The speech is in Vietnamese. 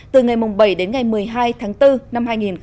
từ ngày bảy đến ngày một mươi hai tháng bốn năm hai nghìn hai mươi